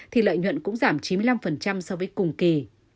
thì lợi nhuận cũng giảm chín mươi năm so với cùng kỳ